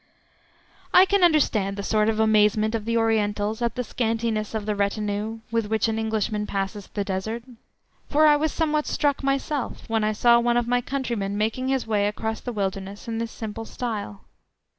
I can understand the sort of amazement of the Orientals at the scantiness of the retinue with which an Englishman passes the Desert, for I was somewhat struck myself when I saw one of my countrymen making his way across the wilderness in this simple style.